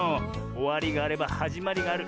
おわりがあればはじまりがある。